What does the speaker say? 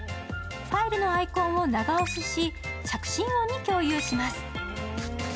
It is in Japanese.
ファイルのアイコンを長押しし、着信音に共有します。